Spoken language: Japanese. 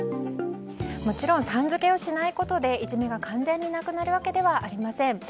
もちろんさん付けをしないことで完全になくなるわけではありません。